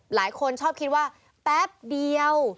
หลายคนชอบคิดว่าแป๊บเดียว